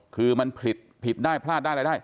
คือมันผิดผลาดได้แล้วด้วย